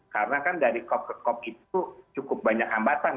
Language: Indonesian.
karena kan dari cop ke cop itu cukup banyak hambatan